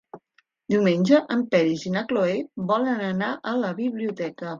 Diumenge en Peris i na Cloè volen anar a la biblioteca.